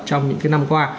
trong những cái năm qua